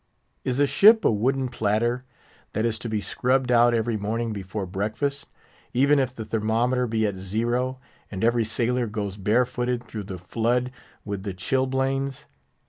Is a ship a wooden platter, that is to be scrubbed out every morning before breakfast, even if the thermometer be at zero, and every sailor goes barefooted through the flood with the chilblains?